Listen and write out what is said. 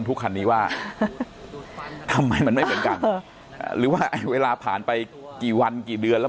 คันนี้ว่าทำไมมันไม่เหมือนกันหรือว่าเวลาผ่านไปกี่วันกี่เดือนแล้ว